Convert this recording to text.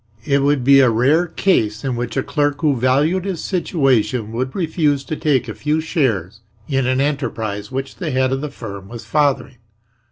It would be a rare case in which a clerk who valued his situation would refuse to take a few shares in an enterprise which the head of the firm was fathering.